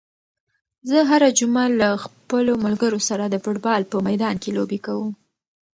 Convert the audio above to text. زه هره جمعه له خپلو ملګرو سره د فوټبال په میدان کې لوبې کوم.